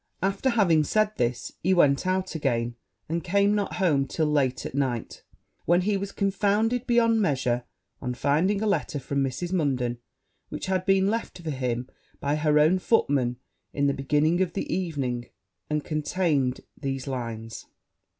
After having said this, he went out again, and came not home till late at night; when he was confounded beyond measure on finding a letter from Mrs. Munden, which had been left for him by her own footman in the beginning of the evening; and contained these lines.